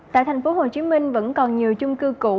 tại tp hcm vẫn còn nhiều chung cư cũ